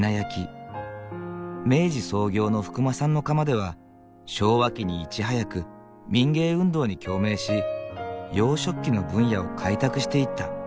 明治創業の福間さんの窯では昭和期にいち早く民藝運動に共鳴し洋食器の分野を開拓していった。